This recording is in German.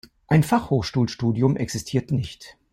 Ein Fachhochschulstudium existiert nicht.